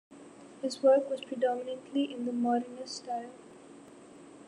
His work was predominantly in the Modernist style.